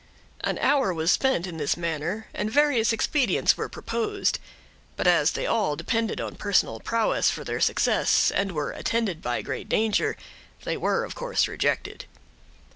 An hour was spent in this manner, and various expedients were proposed; but as they all depended on personal prowess for their success, and were attended by great danger, they were of course rejected.